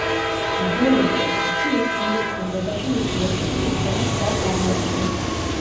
ბრძოლის პროცესში ის ხმლის ქურდობაში მისი ოსტატის მკვლელის კვალს აღმოაჩენს.